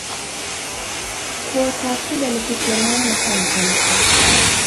Kuweka akiba ni kitu yamaana sana kwa mtu